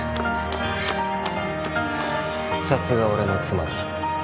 さすが俺の妻だ